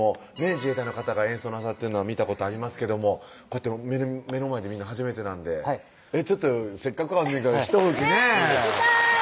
自衛隊の方が演奏なさってるのは見たことありますけどもこうやって目の前で見るの初めてなんでちょっとせっかくあんねんから一吹きね聴きたい！